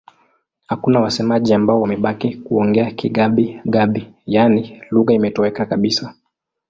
Hakuna wasemaji ambao wamebaki kuongea Kigabi-Gabi, yaani lugha imetoweka kabisa.